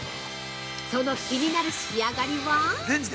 その、気になる仕上がりは！？